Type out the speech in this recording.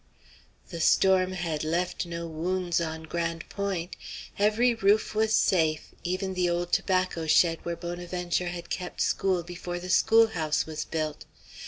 The storm had left no wounds on Grande Pointe. Every roof was safe, even the old tobacco shed where Bonaventure had kept school before the schoolhouse was built.